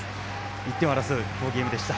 １点を争う好ゲームでした。